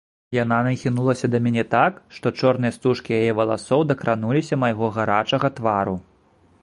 Яна нахінулася да мяне так, што чорныя стужкі яе валасоў дакрануліся майго гарачага твару.